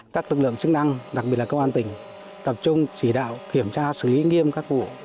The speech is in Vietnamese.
các lực lượng chức năng đặc biệt là công an tỉnh tập trung chỉ đạo kiểm tra xử lý nghiêm các vụ